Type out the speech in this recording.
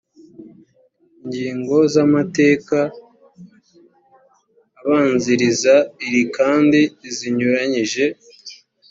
ingingo z amateka abanziriza iri kandi zinyuranyije